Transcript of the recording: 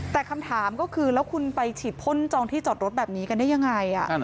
แต่คำถามก็คือแล้วคุณไปฉีดพ่นจองที่จอดรถแบบนี้กันได้ยังไง